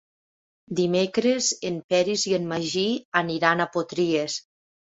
Dimecres en Peris i en Magí aniran a Potries.